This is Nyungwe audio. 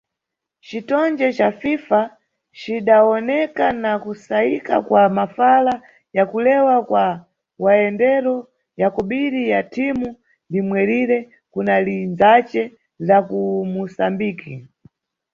Citonge ca FIFA cidawoneka na kusayika kwa mafala ya kulewa kwa mayendero ya kobiri ya thimu limwerire kuna lindzace la ku Musambiki.